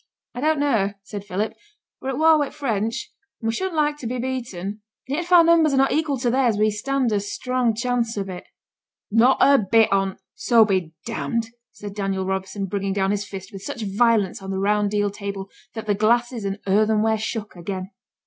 'I don't know,' said Philip; 'we're at war wi' the French, and we shouldn't like to be beaten; and yet if our numbers are not equal to theirs, we stand a strong chance of it.' 'Not a bit on't so be d d!' said Daniel Robson, bringing down his fist with such violence on the round deal table, that the glasses and earthenware shook again.